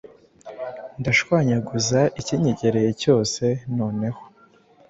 ndashwanyaguza ikinyegreye cyose noneho